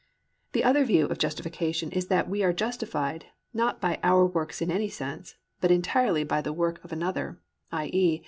The other view of justification is that we are justified, not by our own works in any sense, but entirely by the work of another, i.e.